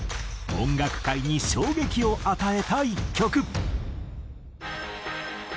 音楽界に衝撃を与えた１曲。